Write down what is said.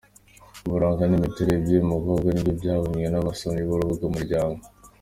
Uburanga n’imiterere by’uyu mukobwa, nibyo byabonywe n’abasomyi b’urubuga Umuryango.